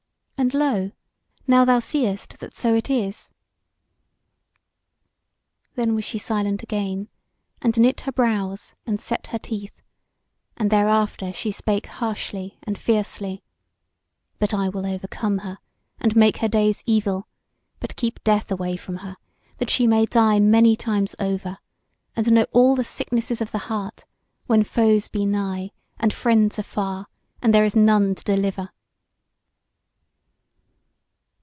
and lo! now thou seest that so it is." Then was she silent again, and knit her brows and set her teeth; and thereafter she spake harshly and fiercely: "But I will overcome her, and make her days evil, but keep death away from her, that she may die many times over; and know all the sickness of the heart, when foes be nigh, and friends afar, and there is none to deliver!"